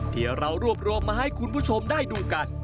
ที่เรารวบรวมมาให้คุณผู้ชมได้ดูกัน